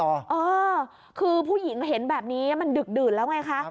เออคือผู้หญิงเห็นแบบนี้มันดึกดื่นแล้วไงคะ